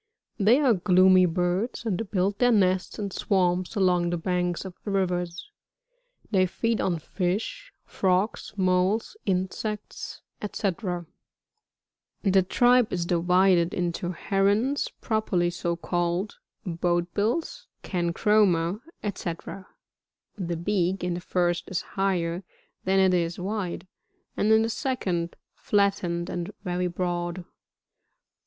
They are gloomy birds, and build their nests in swamps, along the banks of rivers. They feed on fish, frogs, moles, insects, &c. 34. The tribe is divided into Herons properly so called, Boat f bills {Cancroma) &.c. The beak in the first is higher than it is wide, and in the second flattened and very broad.